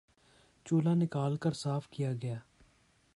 چولہا نکال کر صاف کیا گیا